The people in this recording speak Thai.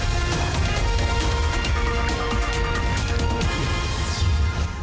สวัสดีครับ